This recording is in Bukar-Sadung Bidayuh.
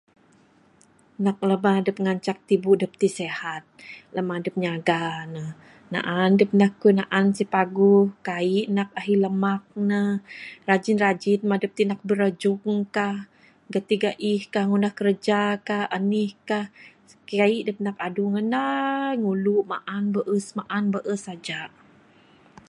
Nak bala beleba ngancak tibu dep ti sihat lamak dep nyaga ne naan dep keyuh naan sipaguh nak kaik ne ahi lemak ne, rajin rajin mah dep ti nak birejung kah, geti geih kah, ngundah kiraja kah enih kah, kai dep nak adu ngendai ngulu maan beus maan beus saja.